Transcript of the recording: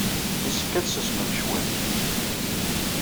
Yessefk ad tsusmem cwiṭ.